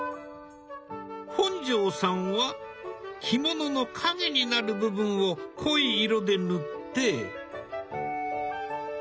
本上さんは着物の影になる部分を濃い色で塗って。